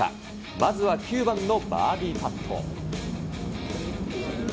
まずは９番のバーディーパット。